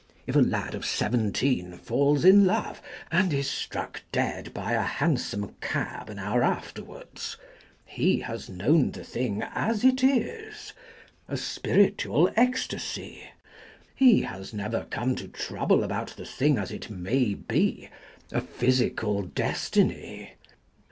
If a lad of seventeen falls in love and is struck dead by a hansom cab an hour after wards, he has known the thing as it is, a spiritual ecstasy ; he has never come to trouble about the thing as it may be, a physical destiny.